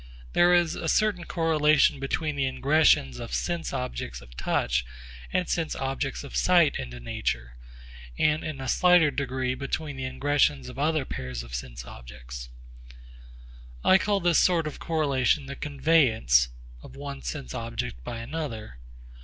There is a certain correlation between the ingressions of sense objects of touch and sense objects of sight into nature, and in a slighter degree between the ingressions of other pairs of sense objects. I call this sort of correlation the 'conveyance' of one sense object by another.